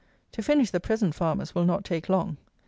To finish the present farmers will not take long.